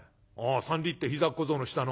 三里って膝小僧の下の？